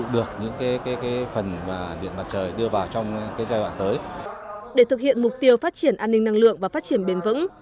để thực hiện mục tiêu phát triển an ninh năng lượng và phát triển bền vững